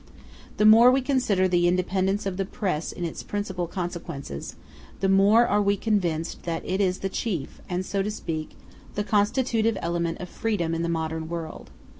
The more we consider the independence of the press in its principal consequences, the more are we convinced that it is the chief and, so to speak, the constitutive element of freedom in the modern world.